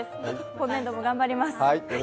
今年度も頑張ります。